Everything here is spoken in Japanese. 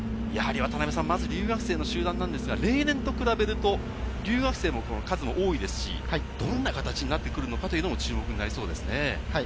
留学生の集団ですが、例年と比べると留学生も数も多いですし、どんな形になってくるのかというのも注目ですね。